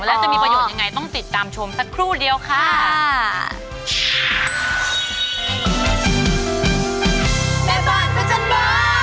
แล้วจะมีประโยชน์ยังไงต้องติดตามชมสักครู่เดียวค่ะ